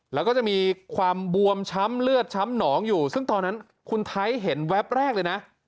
แล้วก็จะมีความบวมช้ำเลือดช้ำหนองอยู่ซึ่งตอนนั้นคุณไทยเห็นแวบแรกเลยนะ